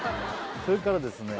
それからですね